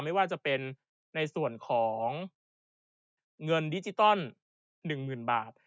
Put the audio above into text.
ไม่ว่าจะเป็นในส่วนของเงินดิจิตอล๑๐๐๐บาท